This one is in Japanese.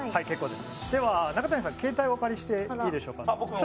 では中谷さん、携帯をお借りしていいでしょうか。